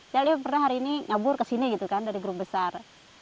ya dia pernah hari ini ngabur ke sini gitu kan dari grup besar